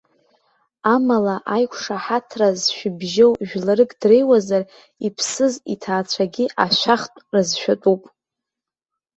Амала аиқәшаҳаҭра зшәыбжьоу жәларык дреиуазар, иԥсыз иҭаацәагьы ашәахтә рызшәатәуп.